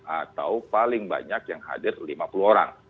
atau paling banyak yang hadir lima puluh orang